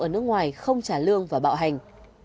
ở nước ngoài không trả lương và bạo hành